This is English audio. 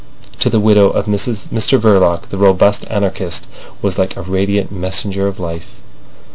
To the widow of Mr Verloc the robust anarchist was like a radiant messenger of life.